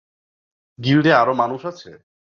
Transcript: গিল্ডে আরো মানুষ আছে?